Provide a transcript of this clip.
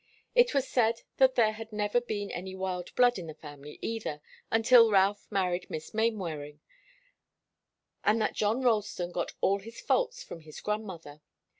It was said that there had never been any wild blood in the family either, until Ralph married Miss Mainwaring, and that John Ralston got all his faults from his grandmother.